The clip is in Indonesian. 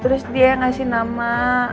terus dia ngasih nama